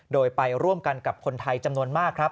โดยไปร่วมกันกับคนไทยจำนวนมากครับ